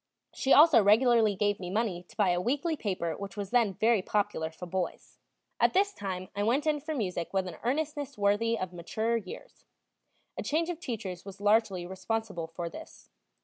She also regularly gave me money to buy a weekly paper which was then very popular for boys. At this time I went in for music with an earnestness worthy of maturer years; a change of teachers was largely responsible for this.